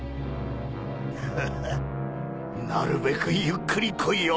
フフなるべくゆっくり来いよ。